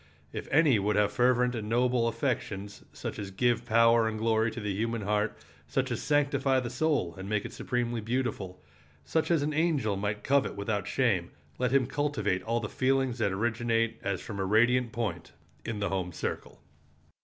If any would have fervent and noble affections, such as give power and glory to the human heart, such as sanctify the soul and make it supremely beautiful, such as an angel might covet without shame, let him cultivate all the feelings that originate, as from a radiant point, in the home circle.